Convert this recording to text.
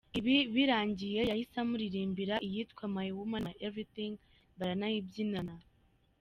Ibi birangiye yahise amuririmbira iyitwa ‘My Woman, My Everything’ baranayibyinana.